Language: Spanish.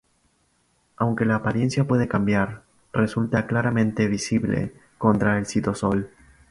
Aunque la apariencia puede cambiar, resulta claramente visible contra el citosol.